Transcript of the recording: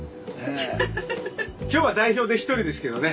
今日は代表で１人ですけどね。